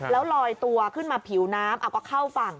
แล้วลอยตัวขึ้นมาผิวน้ำเอาก็เข้าฝั่ง